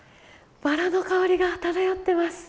バラの香りが漂ってます！